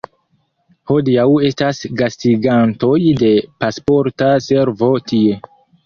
Hodiaŭ estas gastigantoj de Pasporta Servo tie.